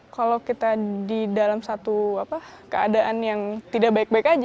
kalau kita di dalam satu keadaan yang tidak baik baik aja